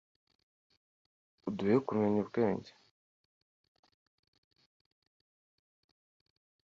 uduhe kumenya ubwenge